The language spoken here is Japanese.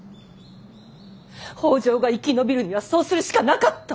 北条が生き延びるにはそうするしかなかった。